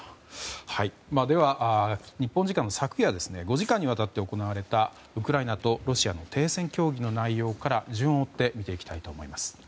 では、日本時間の昨夜５時間にわたって行われたウクライナとロシアの停戦協議の内容から順を追って見ていきたいと思います。